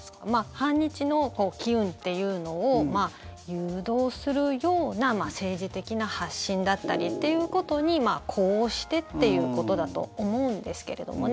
反日の機運っていうのを誘導するような政治的な発信だったりっていうことに呼応してっていうことだと思うんですけれどもね。